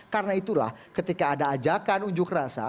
karena itulah ketika ada ajakan unjuk rasa